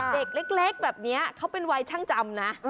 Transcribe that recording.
เด็กเล็กแบบนี้เขาเป็นวัยช่างจำนะ